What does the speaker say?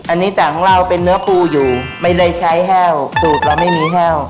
อันนี้ต่างของเราเป็นเนื้อปูอยู่ไม่ได้ใช้แห้วสูตรเราไม่มีแห้ว